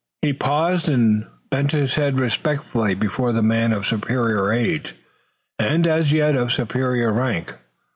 He paused and bent his head respectfully before the man of superior age, and, as yet, of superior rank.